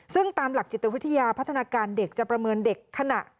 ซึ่งตามหลักจิตวิทยาพัฒนาการเด็กจะประเมินเด็กขณะ